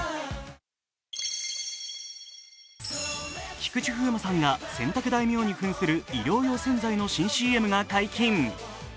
菊池風磨さんが洗濯大名に扮する衣料用洗剤の新ＣＭが解禁。